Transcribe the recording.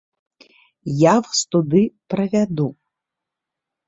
Я вас туды правяду!